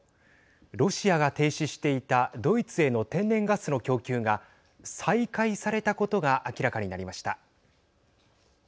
ロシアが停止していたドイツへの天然ガスの供給が再開されたことが明らかになりました。